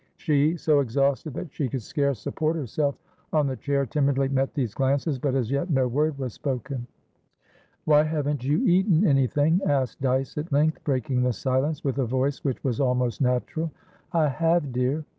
She, so exhausted that she could scarce support herself on the chair, timidly met these glances, but as yet no word was spoken. "Why haven't you eaten anything?" asked Dyce at length, breaking the silence with a voice which was almost natural. "I have, dear."